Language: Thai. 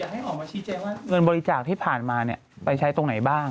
ให้ออกมาชี้แจงว่าเงินบริจาคที่ผ่านมาเนี่ยไปใช้ตรงไหนบ้าง